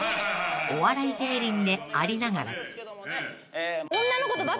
［お笑い芸人でありながら］